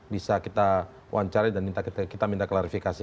bisa kita wancar dan kita minta klarifikasi